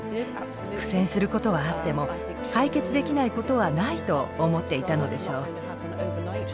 苦戦することはあっても解決できないことはないと思っていたのでしょう。